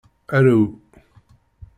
Arew.